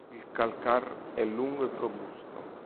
Il calcar è lungo e robusto.